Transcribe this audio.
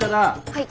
はい。